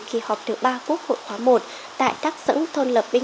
và chủ trì kỳ họp thứ ba quốc hội khóa một tại tác xứng thôn lập